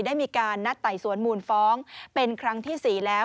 ได้มีการนัดไต่สวนมูลฟ้องเป็นครั้งที่๔แล้ว